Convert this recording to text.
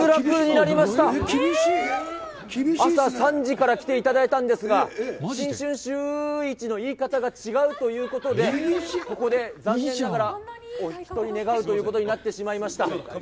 朝３時から来ていただいたんですが、新春シューイチの言い方が違うということで、ここで残念ながらお引き取り願うということになってしまいました。